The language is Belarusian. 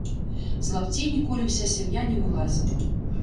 З лапцей ніколі ўся сям'я не вылазіла.